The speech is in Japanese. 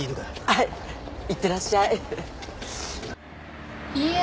はいいってらっしゃいいいえ